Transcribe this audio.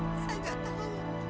serah gak tahu